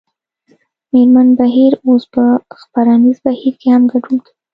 مېرمن بهیر اوس په خپرنیز بهیر کې هم ګډون کوي